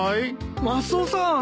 マスオさん。